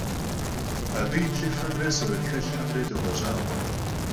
Abı yi plhıfemre suret xelhxemre doğeş'ağue.